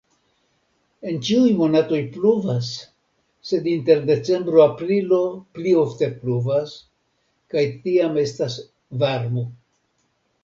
En ĉiuj monatoj pluvas, sed inter decembro-aprilo pli ofte pluvas kaj tiam estas varmo.